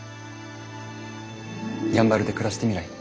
やんばるで暮らしてみない？